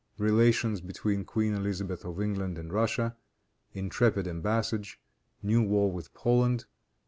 Relations Between Queen Elizabeth of England, and Russia. Intrepid Embassage. New War with Poland.